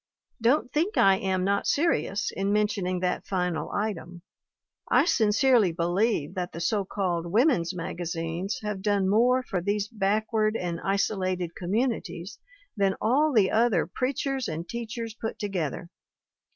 Don't think I am not serious in mentioning that final item: I sincerely believe that the so called women's magazines have done more for these backward and isolated communities than all the other preachers and teachers put together.